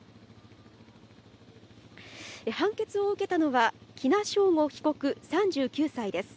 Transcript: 判決を受けたのは、喜納尚吾被告３９歳です。